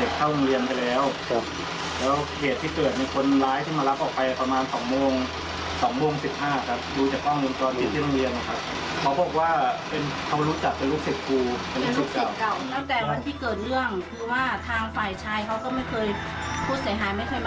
บุญชีวิตโรงเรียนมครับ